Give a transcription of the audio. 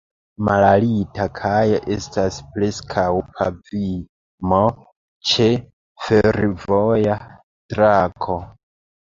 Malalta kajo estas preskaŭ pavimo ĉe fervoja trako.